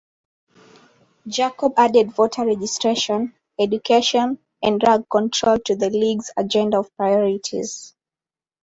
Jacob added voter registration, education, and drug control to the League's agenda of priorities.